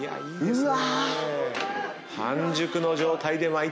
うわ。